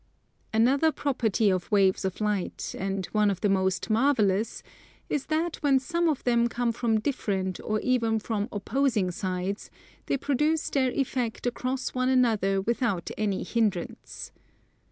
Another property of waves of light, and one of the most marvellous, is that when some of them come from different or even from opposing sides, they produce their effect across one another without any hindrance.